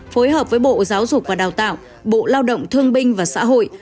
phối hợp với bộ giáo dục và đào tạo bộ lao động thương binh và xã hội